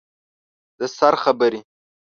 د سر خبرې